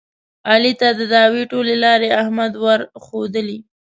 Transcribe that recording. علي ته د دعوې ټولې لارې احمد ورښودلې.